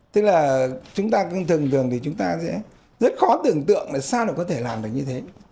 tức là chúng ta thường thường thì chúng ta sẽ rất khó tưởng tượng là sao nó có thể làm được như thế